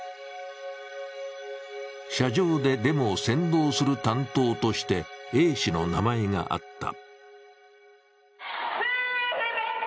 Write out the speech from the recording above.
車上でデモを先導する担当としてＡ氏の名前があった。